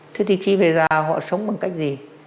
thế thì khi về già họ sống bằng cách gì